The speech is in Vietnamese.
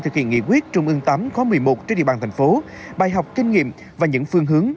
thực hiện nghị quyết trung ương viii khóa một mươi một trên địa bàn thành phố bài học kinh nghiệm và những phương hướng